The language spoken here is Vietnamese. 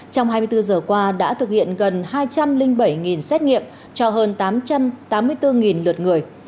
trong hai mươi bốn giờ qua đã thực hiện gần hai trăm linh bảy xét nghiệm cho hơn tám trăm tám mươi bốn lượt người